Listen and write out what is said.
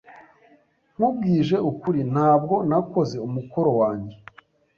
Nkubwije ukuri, ntabwo nakoze umukoro wanjye.